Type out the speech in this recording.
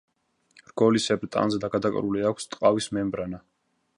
რგოლისებრ ტანზე გადაკრული აქვს ტყავის მემბრანა.